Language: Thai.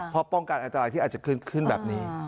เพราะป้องกันอันตรายที่อาจจะขึ้นแบบนี้